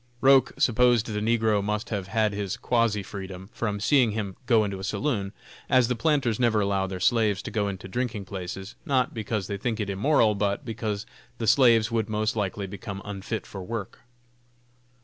Roch supposed the negro must have had his quasi freedom, from seeing him go into a saloon, as the planters never allow their slaves to go into drinking places; not because they think it immoral, but because the slaves would most likely become unfit for work.